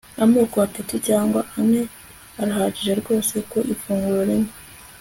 Amoko atatu cyangwa ane arahagije rwose ku ifunguro rimwe